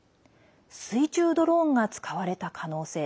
水中ドローンが使われた可能性。